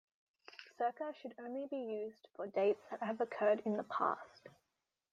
Circa should only be used for dates that have occurred in the past.